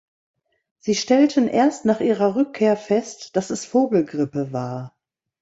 Sie stellten erst nach Ihrer Rückkehr fest, dass es Vogelgrippe war.